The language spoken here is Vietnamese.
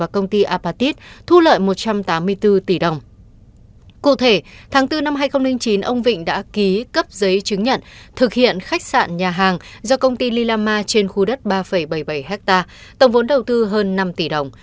cụ thể tháng bốn năm hai nghìn chín ông vịnh đã ký cấp giấy chứng nhận thực hiện khách sạn nhà hàng do công ty lila ma trên khu đất ba bảy mươi bảy hectare tổng vốn đầu tư hơn năm tỷ đồng